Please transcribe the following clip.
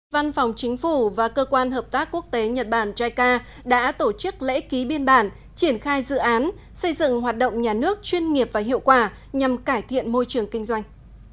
văn phòng chính phủ và cơ quan hợp tác quốc tế nhật bản jica đã tổ chức lễ ký biên bản triển khai dự án xây dựng hoạt động nhà nước chuyên nghiệp và hiệu quả nhằm cải thiện môi trường kinh doanh